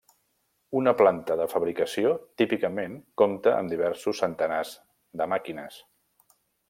Una planta de fabricació típicament compta amb diversos centenars de màquines.